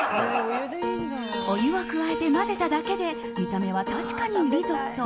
お湯を加えて混ぜただけで見た目は確かにリゾット。